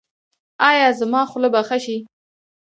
ایا زما خوله به ښه شي؟